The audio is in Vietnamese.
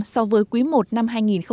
so với quý i năm hai nghìn một mươi tám